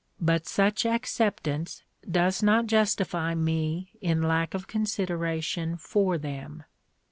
But such acceptance does not justify me in lack of consideration for them.